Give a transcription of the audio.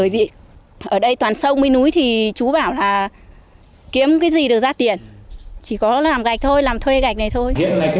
bởi vì ở đây toàn sông với núi thì chú bảo là kiếm cái gì được ra tiền chỉ có làm gạch thôi làm thuê gạch này thôi